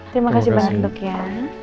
terima kasih banget bu kian